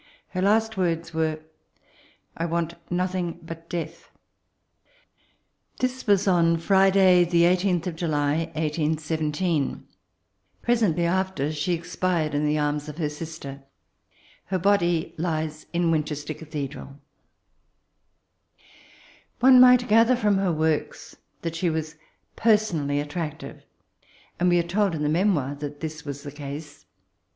Her hks( words were 1859.] 7%e Navels qf Jane Austen, 101 '*IwaDt nothing but death/' This was on Friday the 18th July 1817 ; presently after she expired in the arms of her sister. Her body lies in Winchester Cathedral. One might gather from her works that she was personally attractive, and we are told in the memoir that this was the case.